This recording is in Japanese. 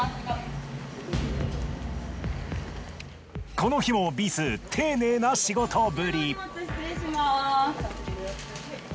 この日もビス丁寧な仕事ぶり。